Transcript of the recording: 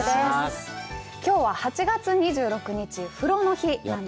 きょうは８月２６日、風呂の日なんです。